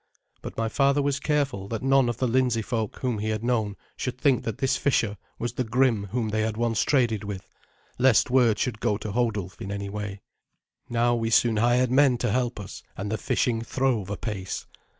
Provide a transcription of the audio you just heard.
But my father was careful that none of the Lindsey folk whom he had known should think that this fisher was the Grim whom they had once traded with, lest word should go to Hodulf in any way. Now we soon hired men to help us, and the fishing throve apace.